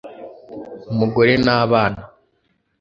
umugore n’abana